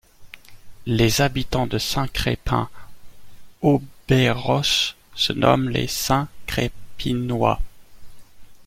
Les habitants de Saint-Crépin-d'Auberoche se nomment les Saint-Crépinois.